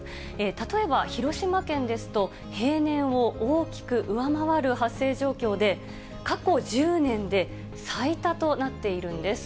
例えば広島県ですと、平年を大きく上回る発生状況で、過去１０年で最多となっているんです。